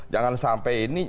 jangan sampai ini